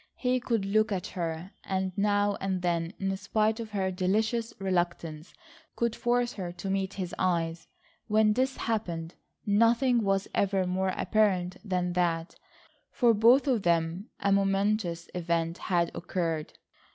He could look at her, and now and then, in spite of her delicious reluctance, could force her to meet his eyes. When this happened, nothing was ever more apparent than that, for both of them, a momentous event had occurred.